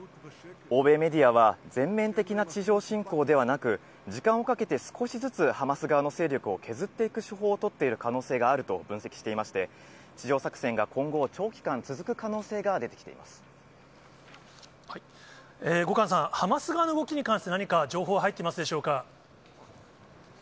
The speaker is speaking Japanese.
欧米メディアは、全面的な地上侵攻ではなく、時間をかけて少しずつハマス側の勢力を削っていく手法を取っている可能性があると分析していまして、地上作戦が今後、長期間続く可能性が出てきていま後閑さん、ハマス側の動きに関して、何か情報、入っていますでしょうか。